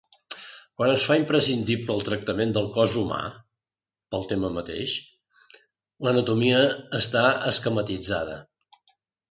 Quan es fa imprescindible el tractament del cos humà, pel tema mateix, l'anatomia està esquematitzada.